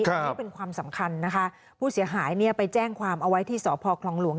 อันนี้เป็นความสำคัญนะคะผู้เสียหายเนี่ยไปแจ้งความเอาไว้ที่สพคลองหลวง